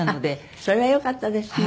それはよかったですね。